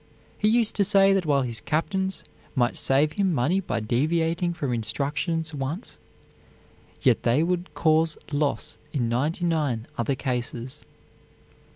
He used to say that while his captains might save him money by deviating from instructions once, yet they would cause loss in ninety nine other cases.